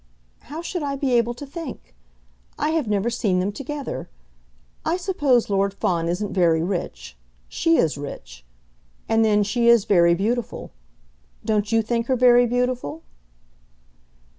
"How should I be able to think? I have never seen them together. I suppose Lord Fawn isn't very rich. She is rich. And then she is very beautiful. Don't you think her very beautiful?"